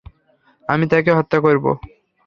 আমি তাকে হত্যা করব।